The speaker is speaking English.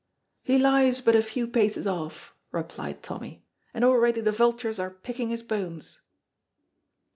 "He lies but a few paces off," replied Tommy, "and already the vultures are picking his bones."